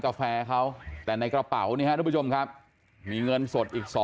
กาแฟเขาแต่ในกระเป๋านี่ฮะทุกผู้ชมครับมีเงินสดอีก๒